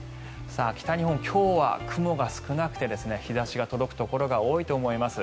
北日本、今日は雲が少なくて日差しが届くところも多いと思います。